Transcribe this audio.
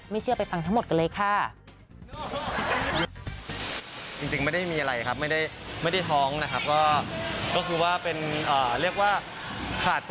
เชื่อไปฟังทั้งหมดกันเลยค่ะ